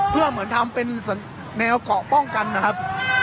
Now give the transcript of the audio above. เพื่อเหมือนทำเป็นแนวเกาะป้องกันนะครับ